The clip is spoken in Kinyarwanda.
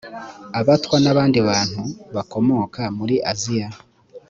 abatwa nabandi bantu bakomoka muri aziya.